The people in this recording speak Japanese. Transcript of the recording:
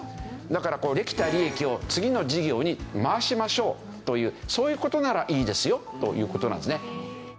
だからこうできた利益を次の事業に回しましょうというそういう事ならいいですよという事なんですね。